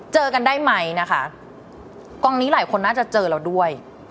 เจอกันได้ไหมนะคะกองนี้หลายคนน่าจะเจอเราด้วย